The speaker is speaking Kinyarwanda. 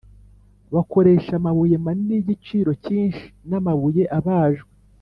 bakoresha amabuye manini y’igiciro cyinshi n amabuye abajwe